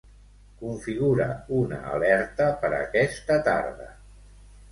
Configura una alerta per aquesta tarda.